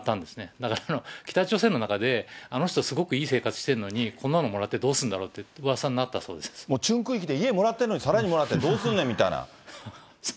だから北朝鮮の中で、あの人すごくいい生活してるのに、こんなのもらってどうするんだろうって、もうチュン区域で家もらってるのに、さらにもらってどうすんねんみたいな。